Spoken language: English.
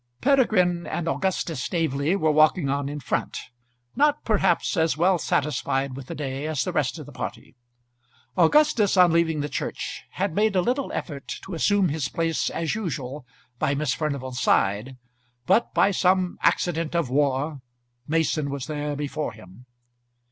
Peregrine and Augustus Staveley were walking on in front, not perhaps as well satisfied with the day as the rest of the party. Augustus, on leaving the church, had made a little effort to assume his place as usual by Miss Furnival's side, but by some accident of war, Mason was there before him.